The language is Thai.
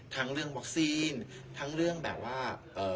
ทั้งเรื่องบอกซีนทั้งเรื่องแบบว่า